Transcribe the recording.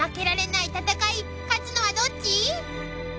［勝つのはどっち？］